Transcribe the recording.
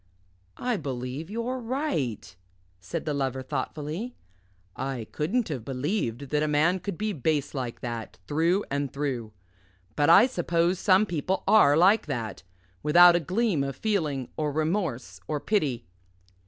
"I believe you're right," said the Lover thoughtfully; "I couldn't have believed that a man could be base like that, through and through. But I suppose some people are like that without a gleam of feeling or remorse or pity."